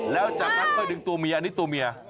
แล้วจากนั้นค่อยดึงตัวเมียอันนี้ตัวเมีย